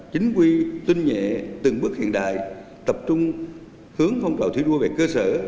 chính quy tinh nhẹ từng bước hiện đại tập trung hướng phong trào thi đua về cơ sở